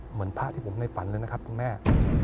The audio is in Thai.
เหมือนพระที่ผมในฝันเลยนะครับคุณแม่